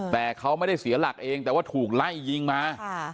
แต่เขาไม่ได้เสียหลักเองแต่ว่าถูกไล่ยิงมา